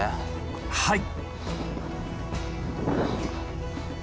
はい。